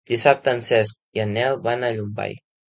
Dissabte en Cesc i en Nel van a Llombai.